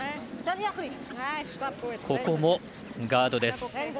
ここもガードです。